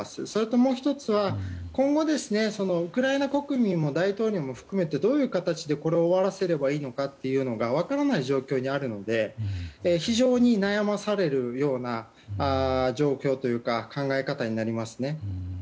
それともう１つは、今後ウクライナ国民も大統領も含めてどういう形でこれを終わらせればいいのか分からない状況にあるので非常に悩まされるような状況というか考え方になりますね。